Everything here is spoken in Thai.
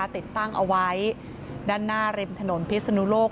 ติดตั้งเอาไว้ด้านหน้าริมถนนพิศนุโลก